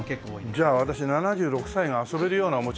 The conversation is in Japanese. じゃあ私７６歳が遊べるようなおもちゃって。